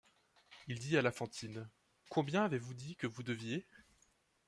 Il dit à la Fantine: — Combien avez-vous dit que vous deviez?